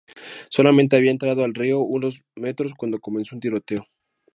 Solamente había entrado al río unos metros cuando comenzó un tiroteo.